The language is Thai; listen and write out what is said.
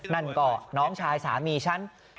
นั่นก็น้องชายสามีฉัน